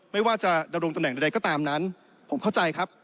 ไม่ว่าจะดำรงตำแหน่งใดก็ตามนั้นผมเข้าใจครับ